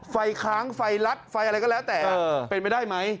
ค้างไฟลัดไฟอะไรก็แล้วแต่เป็นไปได้ไหม